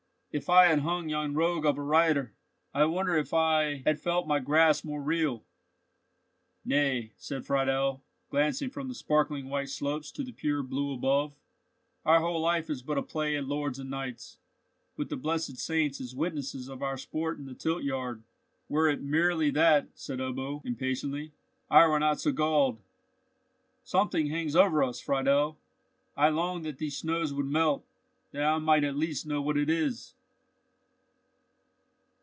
If I had hung yon rogue of a reiter, I wonder if I had felt my grasp more real?" "Nay," said Friedel, glancing from the sparkling white slopes to the pure blue above, "our whole life is but a play at lords and knights, with the blessed saints as witnesses of our sport in the tilt yard." "Were it merely that," said Ebbo, impatiently, "I were not so galled. Something hangs over us, Friedel! I long that these snows would melt, that I might at least know what it is!"